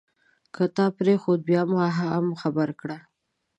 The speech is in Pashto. که تا پرېښود بیا ما هم خبر کړه.